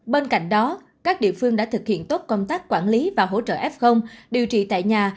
bên cạnh đó các địa phương đã thực hiện tốt công tác quản lý và hỗ trợ f điều trị tại nhà